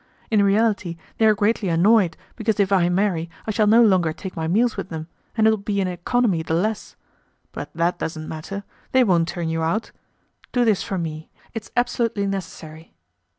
In reality they are greatly annoyed, because if I marry, I shall no longer take my meals with them, and it'll be an economy the less. But that doesn't matter, they won't turn you out. Do this for me, it's absolutely necessary."